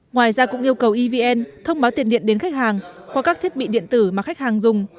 ngoài ra cũng yêu cầu evn thông báo tiền điện đến khách hàng qua các thiết bị điện tử mà khách hàng dùng